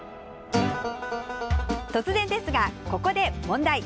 突然ですがここで問題。